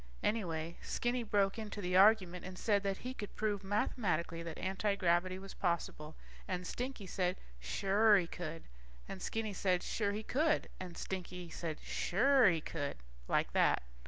Anyway, Skinny broke into the argument and said that he could prove mathematically that antigravity was possible, and Stinky said suure he could, and Skinny said sure he could, and Stinky said suuure he could, like that.